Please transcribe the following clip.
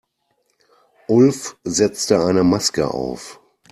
Ulf setzte eine Maske auf.